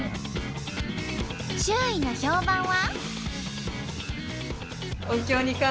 周囲の評判は？